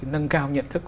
nâng cao nhận thức